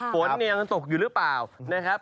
ฝนยังตกอยู่หรือเปล่า